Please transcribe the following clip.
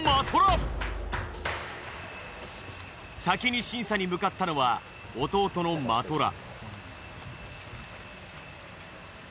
先に審査に向かったのは弟の真虎。